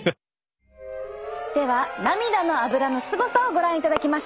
では涙のアブラのすごさをご覧いただきましょう。